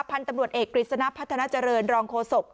พันธุ์ตำรวจเอกกฤษณะพัฒนาเจริญรองโฆษก